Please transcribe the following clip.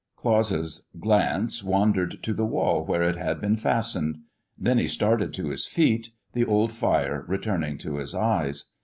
Claus' glance wandered to the wall where it had been fastened. Then he started to his feet, the old fire returning to his eyes.